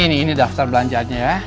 ini daftar belanjaannya ya